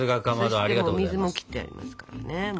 そしてお水も切ってありますからね。